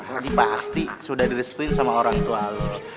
jadi pasti sudah direspuin sama orang tua lu